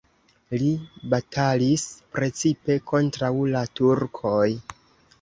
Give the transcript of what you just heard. Li batalis precipe kontraŭ la turkoj.